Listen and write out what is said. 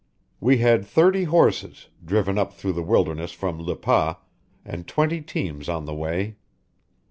We had thirty horses, driven up through the wilderness from Le Pas, and twenty teams on the way.